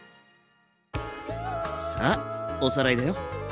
さあおさらいだよ。